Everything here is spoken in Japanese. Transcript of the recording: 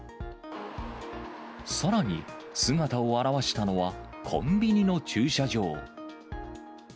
さらに、姿を現したのはコンビニの駐車場。